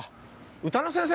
歌の先生？